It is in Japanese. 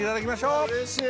うれしい。